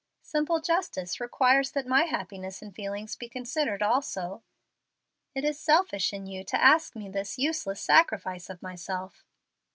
Simple justice requires that my happiness and feelings be considered also. It is selfish in you to ask of me this useless sacrifice of myself."